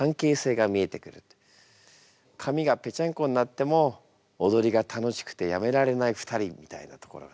髪がぺちゃんこになっても踊りが楽しくてやめられない２人みたいなところがね。